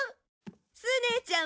スネちゃま。